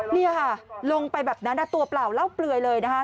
นี่ค่ะลงไปแบบนั้นตัวเปล่าเล่าเปลือยเลยนะคะ